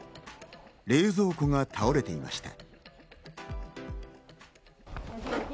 冷蔵庫が倒れていました。